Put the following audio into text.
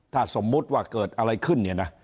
ถ้าสมมุติว่าเกิดอะไรขึ้นเนี่ยนะ